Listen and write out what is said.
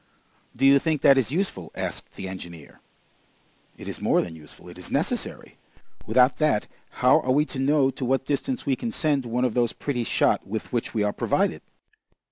"Do you think that is useful?" asked the engineer. "It is more than useful, it is necessary! Without that how are we to know to what distance we can send one of those pretty shot with which we are provided?"